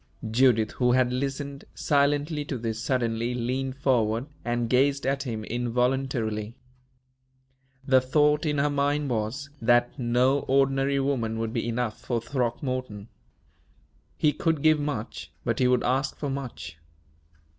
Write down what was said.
Judith, who had listened silently to this, suddenly leaned forward and gazed at him involuntarily. The thought in her mind was, that no ordinary woman would be enough for Throckmorton. He could give much, but he would ask for much.